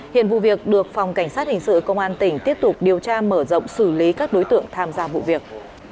hiện vụ việc được phòng cảnh sát hình sự công an tỉnh tiếp tục điều tra mở rộng xử lý các đối tượng tham gia vụ việc